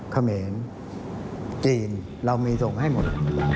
เขมรจีนเรามีส่งให้หมด